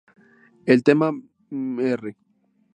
El tema ""Mr.